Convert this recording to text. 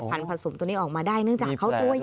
อ๋อผันผัดสมออกมาได้เนื่องจากเขาตัวย่าย